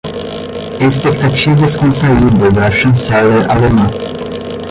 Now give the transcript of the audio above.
Expectativas com a saída da chanceler alemã